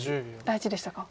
大事でしたか。